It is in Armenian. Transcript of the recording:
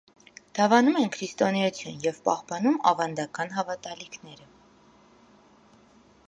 Դավանում են քրիստոնեություն և պահպանում ավանդական հավատալիքները։